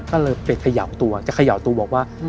ก็เลยไปเขย่าตัวจะเขย่าตัวบอกว่า